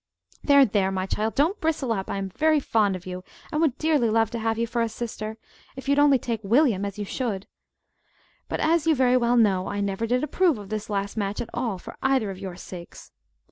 "There, there, my dear child, don't bristle up! I am very fond of you, and would dearly love to have you for a sister if you'd only take William, as you should! But, as you very well know, I never did approve of this last match at all, for either of your sakes.